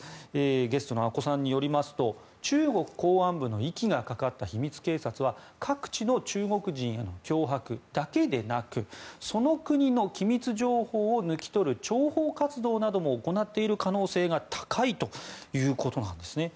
ゲストの阿古さんによりますと中国公安部の息がかかった秘密警察は各地の中国人への脅迫だけでなくその国の機密情報を抜き取る諜報活動なども行っている可能性が高いということです。